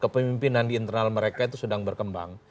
ke pemimpinan di internal mereka itu sudah berkembang